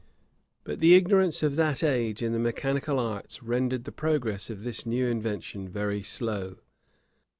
But the ignorance of that age in the mechanical arts, rendered the progress of this new invention very slow.